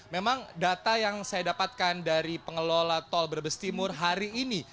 memang data yang saya dapatkan dari pengelola tol brebes timur hari ini